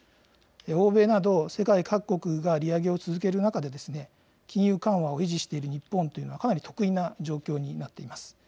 欧米など、世界各国が利上げを続ける中で、金融緩和を維持している日本というのはかなり特異な状況になっています。